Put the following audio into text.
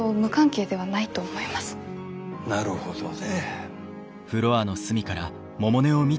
なるほどね。